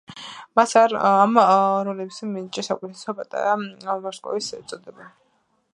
მას ამ როლისათვის მიენიჭა საუკეთესო პატარა ვარსკვლავის წოდება.